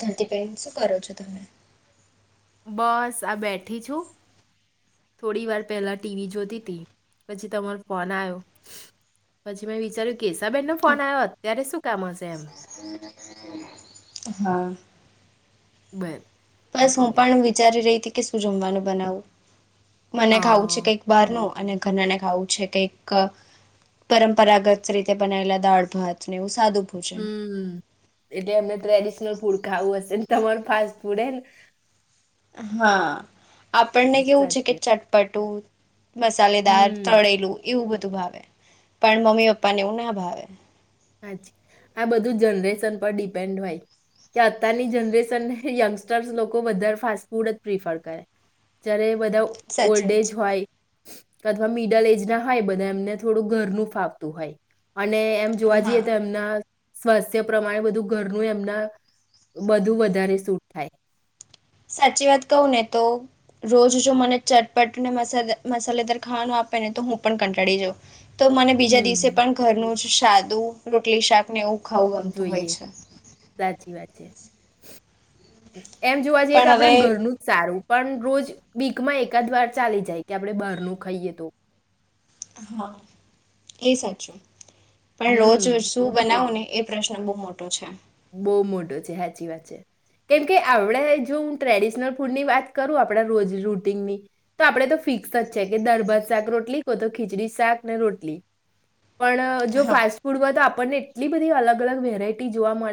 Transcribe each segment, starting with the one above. ધરતીપન શું કરો છો તમે બસ આ બેઠી છું થોડી વાર પહેલા ટીવી જોતી હતીી પછી તમારો ફોન આવ્યો પછી મેં વિચાર્યું કેશાબેન નો ફોન આવ્યો અત્યારે શું કામ હશે એમ હા બર બસ હું એટલે પણ વિચારી રહી હતી કે શું જમવાનું બનાવું. મને ખાવું છે હા કંઈક બાર નું અને ઘના ને ખાવું છે કંઈક પરંપરાગત રીતે બનાયલા દાળ ભાત ને એવુ હમ એટલે એમને ટ્રેડિશનલ ફૂડ ખાવું હશે ને. તમારું ફાસ્ટ ફૂડ એ હા. આપણને કેવું છે કે સાચી વાત ચટપટું મસાલેદાર હમ તળેલું એવું બધું ભાવે પણ મમ્મી પપ્પાને એવું ના ભાવે. હાચે આ બધું જનરેશન પર ડિપેન્ડ હોય કે અત્યારની જનરેશનને યંગસ્ટર્સ લોકો વધારે ફાસ્ટ ફૂડ જ પ્રિફર કરે જ્યારે બધા સાચી ઓલ્ડ વાત એજ છે. હોય અથવા મિડલ એજ ના હોય બધા એમને થોડું ઘરનું ફાવતું હોય અને જોવા જઈએ તો એમના સ્વાસ્થ્ય પ્રમાણે બધું ઘરનું એમના બધું વધારે સૂટ થાય. સાચી વાત કહું ને તો રોજ જો મને ચટપટને મસાલેદાર ખાવાનો આપે ને તો હું પણ કંટાળી જાઉ. તો મને બીજા હમ દિવસે પણ ઘરનું જ સાદું રોટલી શાક ને એવું ખાઉ ગમતું હોય જોઈએ છે. સાચી [inaudible] એમ જોવા જઈએ તો પણ આપણા હવે ઘરનું જ સારું પણ રોજ વીકમાં એકાદ વાર ચાલી જાય કે આપડણે બારનું ખાઈએ તો હા એ સાચું. પણ રોજ હમ શું બનાવુ ને એ પ્રશ્ન બહુ મોટો છે. બહુ મોટો છે સાચી વાત છે કેમ કે આપડ જો હું ટ્રેડિશનલ ફૂડની વાત કરું આપડા રોજ રૂટીનની તો આપડે તો ફિક્સ જ છે કે દાળ ભાત શાક રોટલી કો તો ખીચડી શાક ને રોટલી પણ જો હા ફાસ્ટ ફૂડ હોય તો આપણને એટલી બધી અલગ અલગ વેરાયટી જોવા મળ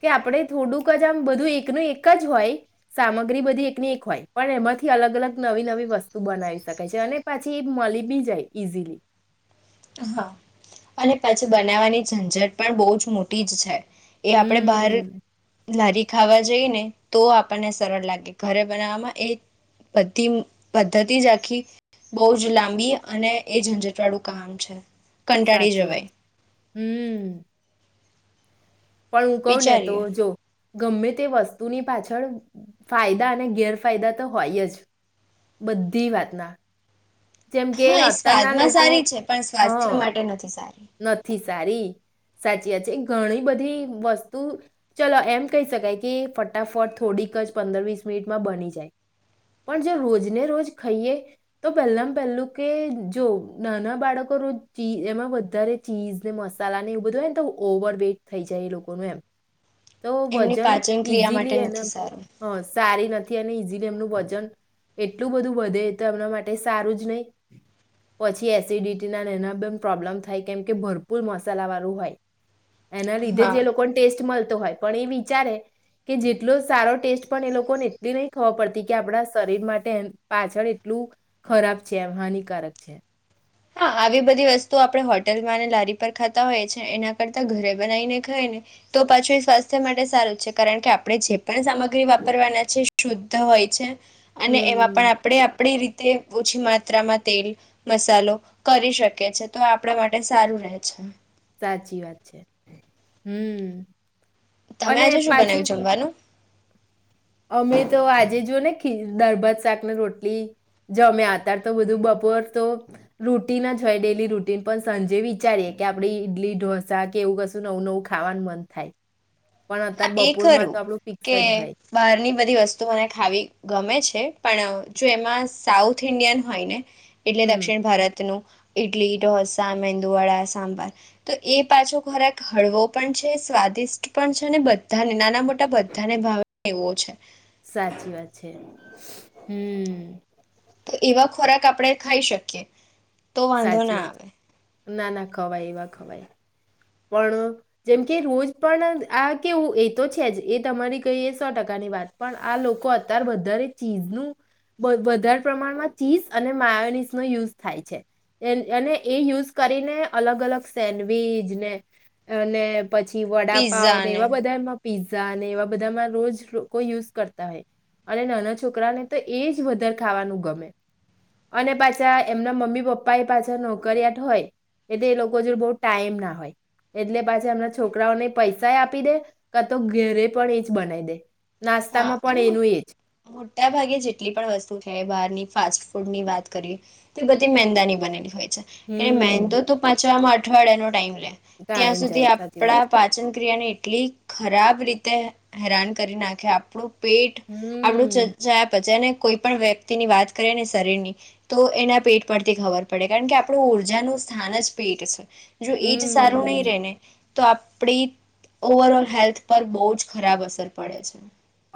કે આપણે થોડુંક જ આમ બધું એકનું એક જ હોય સામગ્રી બધી એકની એક હોય પણ એમાંથી અલગ અલગ નવી-નવી વસ્તુ બનાવી શકાય છે અને પછી એ મળી બી જાય ઈઝીલી હા અને પછી બનાવવાની ઝંઝટ પણ બહુ જ મોટી જ છે. એ આપણે બહાર હમ લારી ખાવા જઈ ને તો આપણને સરળ લાગે ઘરે બનાવવામાં એ બધી પદ્ધતિ જ આખી બહુ જ લાંબી અને એ ઝંઝટ વાળું કામ છે. કંટાળી સાચી જવાય વાત હમ પણ હું કહું ને તો વિચારીએ જો ગમે તે વસ્તુ તુની પાછળ ફાયદા અને ગેરફાયદા તો હોય જ બધી વાતના. જેમ કે હા એ અત્યારના સ્વાદમાં લોકો સારી છે પણ હા સ્વાસ્થ્ય માટે નથી સારી. નથી. સારી સાચી વાત છે એ ઘણી બધી વસ્તુ ચલો એમ કહી શકાય કે ફટાફટ થોડીક જ પંદર વીસ મિનિટમાં બની જાય પણ જો રોજ ને રોજ ખાઈએ તો પહેલામ પહેલું કે જો નાના બાળકો રોજી એમાં વધારે ચીઝ ને મસાલા ને એવું બધુંય ને તો ઓવર વેટ થઈ જાય એ લોકોનું એમ તો એમની વજન પાચન ક્રિયા માટે ઈઝીલી એને નથી સારું હ સારી નથી ઝીલી એમનું વજન એટલું બધું વધે તો એમના માટે સારું જ નહી પછી એસિડિટી નાના પ્રોબ્લેમ થાય કેમ કે ભરપૂર મસાલા વાળું હોય એના લીધે હા જે લોકોને ટેસ્ટ મલ હોય પણ એ વિચારે કે જેટલો સારો ટેસ્ટ પણ એ લોકોને એટલી નહી ખબ પડતી કે આપડા શરીર માટે પાછળ એટલું ખરાબ છે એમ હાનિકારક છે હા આવી બધી વસ્તુ આપણે હોટલમાં અને લારી પર ખાતા હોય છ છે એના કરતા ઘરે બનાવીને ખાય ને તો પાછું એ સ્વાસ્થ્ય માટે સારું છે કારણ કે આપણે જે પણ સામગ્રી વાપરવાના છે શુદ્ધ હોય છે અને એમાં પણ હમ્મ. આપણે આપડી રીતે તે ઓછી માત્રામાં તેલ મસાલો કરી શકે છે તો આપણા માટે સારું રહે છે સાચી વાત છે હમ્મ તમે અને આજે શું પાછું બનાવ્યું જમવાનું અમે તો આજે જો ને ખી દાદભાત શાકને રોટલી જમ્યા અતાર તો બધું બપોર તો રૂટીન જ હોય ડેલી રૂટીન પણ સંંજે વિચારીએ કે આપડ ઈડલી ઢોસા કે એવું કશું નવું નવું ખાવાનું મન થાય પણ હા અત્યારે એ બપોરમાં ખરું તો આપણું ફિક્સ કે જ હોય બહારની બધી વસ્તુ મને ખાવી ગમે છે પણ જો એમાં સાઉથ ઇન્ડિયન હોય ને એટલે હમ્મ. દક્ષિણ ભારતનું ઈડલી ઢોસા મેંદુવાડાા સાંભાર તો એ પાછો ખોરાક હળવો પણ છે સ્વાદિષ્ટ પણ છે ને બ બધાને નાના મોટા બધાને ભાવે એવો છે સાચી વાત છે હમ્મ તો એવા ખોરાક આપણે ખાઈ શકીએ તો વાંધો સાચી ના વાત આવે ના ના ખવાઈ એવા ખવાાઈ પણ જેમ કે રોજ પણ આ કેવું એ તો છે જ એ તમારી કહીએ સો ટકાની વાત પણ આ લોકો અત્યારે વધારે ચીઝનું વ વધારે પ્રમાણમાં ચીઝ અને માયોનીઝ નો યુઝ થાય છે એ અને એ યુઝ કરીને અલગ અલગ સેન્ડવીચ ને અને પછી વડાપાવ ને એવા બધા એમાં પીઝા ને એવા બધામાં રોજ લોકો યુઝ કરતા હોય અને નાના છોકરાને તો એ જ વધારે ખાવાનું ગમે અને પાછા એમના મમ્મી પપ્પા એ પાછા નોકરીયાટ હોય એટલે એ લોકો જોડે બહ ટાઈમ ના હોય એટલે પાછા હમણાં છોકરાઓને પૈસાએ આપી દે ક તો ઘેરે પણ એ જ બનાવી દે હા નાસ્તામાં પણ અને એનું એ જ મોટા ભાગે જેટલી પણ વસ્તુ છે બહારની ફાસ્ટ ફૂડ ની વાત કરીએ તો બધી મેંદાની બનેલી હોય હમ મેંદો તો પંચવા માટે અઠવાડિયાનો ટાઈમ ત્યાં ટાઈમ સુધી જાય સાચી વાત આપડા છે. પાચન ક્રિયાની એટલી ખરાબ રીતે હેરાન કરી નાખે કે આપણું પેટ આપડું હમ ચચા પચા કોઈ પણ વ્યક્તિની વાત કરીએ ને શરીરની તો એના પેટ પરથી ખબર પડે કારણ કે આપણું ઊર્જાનું સ્થાન જ પેટ છે જો એજ સારું નહી હમ રને તો આપણી ઓવરઓલ હેલ્થ પર બહુ જ ખરાબ અસર પડે છે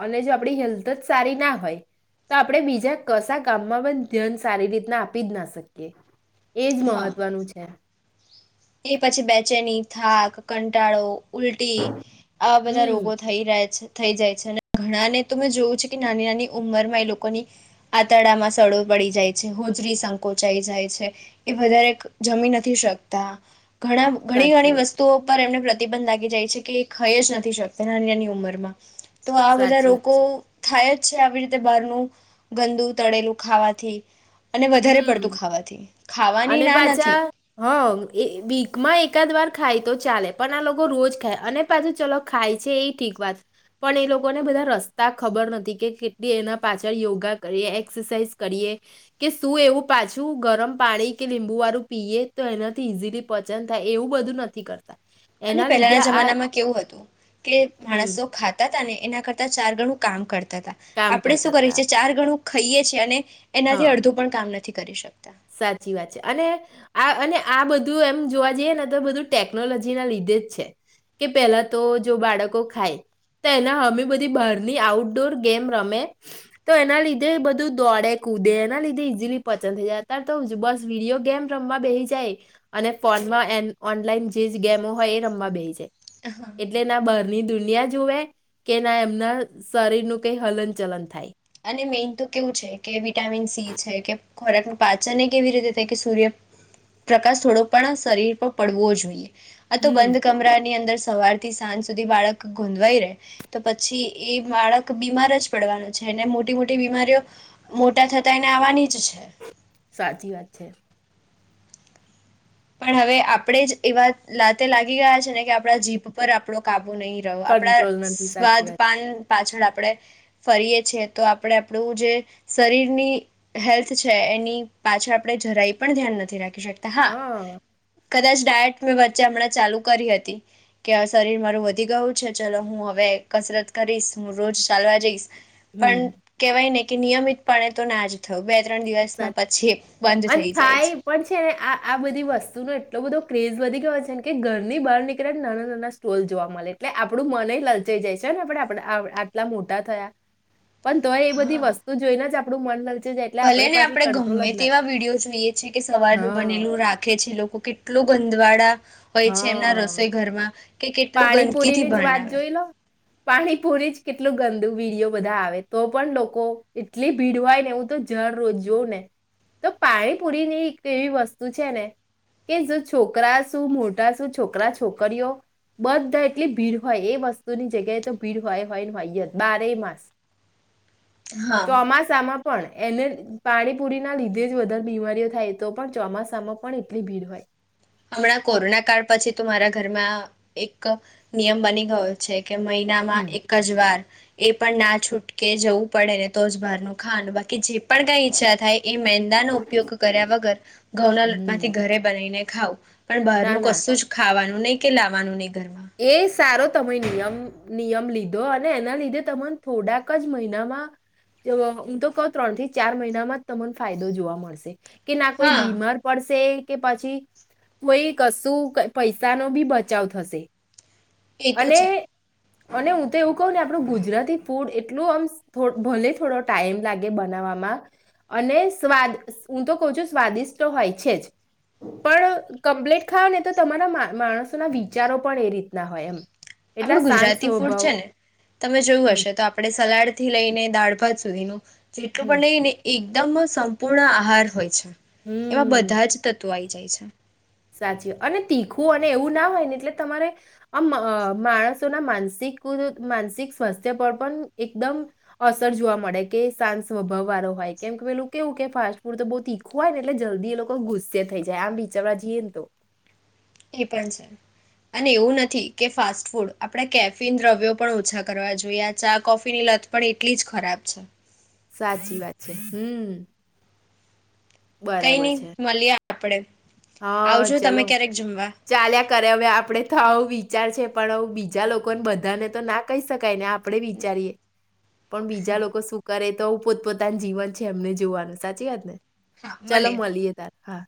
અને જો આપણી હેલ્થ જ સારી ના હોય તો આપણે બીજા કશા કામમાં પણ ધ્યાન સારી રીતના આપી જ ના શકીએ એજ હા મહત્વનું છે એ પછી બેચેની થાક કંટાળો ઉલટી આવા બધા હમ રોગો થઈ રહ્યા છે થઈ જાય છે અને ઘણાને તો મેં જોવું છે કે નાની નાની ઉંમરમાં એ લોકોની આંતડામાં સડો પડી જાય છે હોજરી સંકોચાઈ જાય છે એ વધારે જમી નથી શક તા ઘણા ઘણી સાચી ઘણી વાત વસ્તુઓ ઉપર એમને પ્રતિબંધ લાગી જાય છે કે એ ખઈ જ નથી શકતા નાનીિયાની ઉંમરમાં તો આ બધા સાચી વાત રોગો થાય જ છે આવી રીતે બહારનું ગંદુ તળેલું ખાવાથી અને વધારે હમ પડતું ખાવાથી ખાવાની અને ના નથી પાછા હા એ વીકમાં એકાદ વાર ખાય તો ચાલે પણ આ લોકો રોજ ખાય અને પાછું ચલો ખાય છે એ ઠીક વાત પણ એ લોકોને બધા રસ્તા ખબર નથી કે કેટલી એના પાછળ યોગા કરીએ એક્સરસાઇઝ કરીએ કે શું એવું પાછું ગરમ પાણી કે લીંબુ વાળું પીયે તો એનાથી ઈઝીલી પચન થાય એવું બધું નથી કરતા અને એના લીધે પહેલાના આ જમાનામાં કેવું હતું કે હમ માણસો ખાતા જ એના કરતા ચાર ગણું કામ કરતા કામ આપણે શું કરતા કરીએ હતા છી ચાર ગણું ખાઈએ છીએ અને હા એનાથી અડધું પણ કામ નથી કરી શક સાચી વાત છે અને આ અને આ બધું એમ જોવા જઈએ ને તો બધું ટેકનોલોજી ના લીધે જ છે કે પેલા તો જો બાળકો ખાય તો એના અમે બધી બહારની આઉટડોર ગેમ રમે તો એના લીધે બધું દોડે કૂદે એના લીધે ઈઝીલી પચન થઈ જાય. અત્યાર તો બસ વિડીયો ગેમ રમવા બેહી જાય અને ફોનમાં એમ ઓનલાઈન જે ગેમો હોય એ રમવા બેહી જાય. હા એટલે ના બહાર ની દુનિયા જુવે કે ના એમના શરીર નું કઈ હલન ચલન થાય. અને મેઈન તો કેવું છે કે વિટામિન સી છે કે ખોરાકનું પાચન એ કેવી રીતે થાય કે સૂર્ય પ્રકાશ થોડો પણ શરીર પર પડવો જોઈએ. આ તો હમ બંધ કમરા ની અંદર સવાર થી સાંજ સુધી બાળક ગોંધવાઈ રહેે તો પછી એ બાળક બીમાર જ પડવાનું છે ને મોટી મોટી બીમારીઓ મોટા થતા એને આવવાની જ છે. સાચી વાત છે. પણ હવે આપડે જ એવા લાતે લાગી ગયા છે ને કે આપડા જીભ પર આપણો કા બૂ નહીં રહો આપણા કંટ્રોલ નથી સાચી સ્વાદ વાત પાન પાછળ આપણે ફરીએ છીએ તો આપણે આપણું જે શરીરની હેલ્થ છે એની પાછળ આપણે જરાય પણ ધ્યાન નથી રા ખી શકતા હા. કદાચ ડાયટ મેં વચ્ચે હમણાં ચાલુ કરી હતી કે શરીર મારું વધી ગયું છે ચલો હું હવે કસરત કરીશ હું રોજ ચાલવા જઈશ પણ હમ કહેવાય નહી કે નિયમિતપણેે તો ના જ બે ત્રણ સાચ દિવસમાં પછી બંધ અને થઈ જાય થાય પણ છે આ આ બધી વસ્તુનો એટલો બધો ક્રેઝ વધી ગયો છે કે ઘરની બહ નીકળ્યા નાના નાના સ્ટોલ જોવા મળે એટલે આપણું મને લલચાઈ જાય છે ને આપે આટલા મોટા થયા પણ તો એ બધી હા વસ્તુ જોઈને જ આપ આપણું મન લલચાઇ જાય એટલે ભલે આપણે ને પાછી કંટ્રોલ ગમે જ ના તેવા વિડીયો જોઈએ છે કે સવારનું હા બનેલું રાખે છે લોકો કેટલો ગંધવાળા હા કે કેટલું પાણીપુરી ગંદકીથી ની જ વાત ભણાવે જોઈ લો પાણીપુરી જ કેટલું ગંદુ વિડીયો બધા આવે તો પણ લોકો એટલી ભીડ હોય ને એવું તો જળ રોજ જોું ને તો પાણીપુરીની એક એવી વસ્તુ છે ને કે જો છોકરા શું મોટા શું છોકરા છોકરીઓ બધા એટલી ભીડ હોય એ વસ્તુની જગ્યાએ તો ભીડ હોય હોય હોયયત બારે માસ હા ચોમાસામાં પણ એને પાણીપુરી ના લીધે જ વધારે બીમારીઓ થાય તો પણ ચોમાસામાં પણ એટલી ભીડ હોય હમણાં કોરોના કાળ પછી તો મારા ઘરમાં એક નિયમ બની ગયો છે કે મહિનામાં હમ એક જ વાર એ પણ ના છૂટકે જવું પડે ને તો જ બહાર ન ખાવાનું બાકી જે પણ કઈ ઈચ્છા થાય એ મેંદા નો ઉપયોગ કર્યા વગર ઘઉંના હમ લોટમાંથી ઘરે બનાવીને ખાવ પણ ના બહારનું ના કશું જ ખાવાનું નહીં કે લાવવાનું નહીં ઘર એ સારો તમે નિયમ નિયમ લીધો અને એના લીધે તને થોડાક જ મહિનામાં હું તો કહ ત્રણ થી ચાર મહિનામાં જ તમને ફાયદો જોવા મળશે કે ના કોઈ હા બીમાર પડશે કે પછી કોઈ કશું પૈસા નો બી બચાવ થશે એ તો અને છે અને હું તો એવું કહું ને આપણું ગુજરાતી ફૂડ એટલું આમ ભલે થોડો ટાઈમ લાગે બનાવામાં અને સ્વાદ હું તો કહ છું સ્વાદિષ્ટ હોય છે જ પણ કમ્પ્લેટ ખાવ ને તો તમારા માણસોના વિચારો પણ એ રીતના હોય એમ એટલા આપડું શાંત ગુજરાતી ફૂડ સ્વભાવ છે ને તમે જોયું હમ હશે તો આપણે સલાડ થી લઈને દાળ ભાત સુધીનું જેેટલુ હમ પણ લઈ ને એક એકદમ સંપૂર્ણ આહાર હોય છે એવા હમ બધા જ તત્વો આ આવી જાય છે સાચી અને તીખું અને એવું ના હોય ને એટલે તમારે આમ માણસોના માનસિક માનસિક સ્વાસ્થ્ય પર પણ એકદમ અસર જોવા મળે કે શાંત સ્વભાવ વાળો હોય કેમ કે પેલું કેવું કે ફાસ્ટ ફૂડ તો બહુ તીખું હોય ને એટલે જલ્દી એ લોકો ગુસ્સે થઈ જાય આમ બિચળ એનતો એ પણ છે અને એવું નથી કે ફાસ્ટ ફૂડ આપણે કેફિન દ્રવ્યો પણ ઓછા કરવા જોઈએ ચા કોફીની લત પણ એટલી જ ખરાબ છે સાચી વાત છે હમ કઈ બરાબર નહી છે મલીએ આપડે હા ચલો ચાલ્યા કરે હવે આપડે તો આવુ વિચાર છે પણું બીજા લોકોને બધાને તો ના કહી શકાય ને આપડે વિચારીએ પણ બીજા લોકો શું કરે તો પોતપોતાનું જીવન છે એમને જોવાનું સાચી વાત ને હા ચાલો મળીએ મલીએ તાર હા